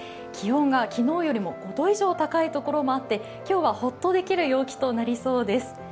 気温が昨日よりも５度以上高いところもあって今日はホッとできる陽気となりそうです。